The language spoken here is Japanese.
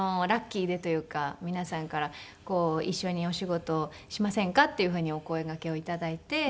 皆さんから一緒にお仕事をしませんかっていうふうにお声がけを頂いて。